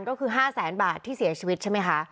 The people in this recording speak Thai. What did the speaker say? ก็คือ๕แสนบาทที่เสียชีวิตใช่ไหมคะ